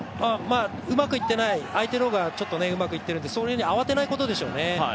うまくいっていない相手の方がちょっとうまくいっているのでそれに慌てないことでしょうね。